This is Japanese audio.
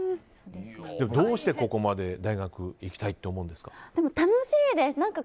どうしてここまで大学行きたいって思うんですか？